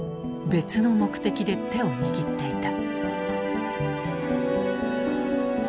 別の目的で手を握っていた。